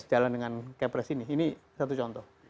sejalan dengan kepres ini ini satu contoh